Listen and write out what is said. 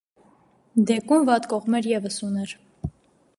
Դեկուն վատ կողմեր ևս ուներ։